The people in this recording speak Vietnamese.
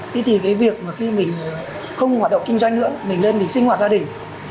thế thì cái việc mà khi mình không hoạt động kinh doanh nữa mình lên mình sinh hoạt gia đình